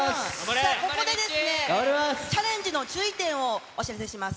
さあ、ここでですね、チャレンジの注意点をお知らせします。